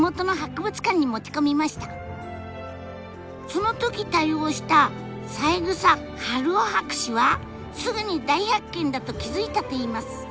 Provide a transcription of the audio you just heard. その時対応した三枝春生博士はすぐに大発見だと気付いたといいます。